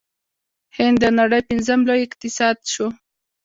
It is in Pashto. هند د نړۍ پنځم لوی اقتصاد شو.